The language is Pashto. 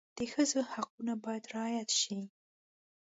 د ښځو حقونه باید رعایت شي.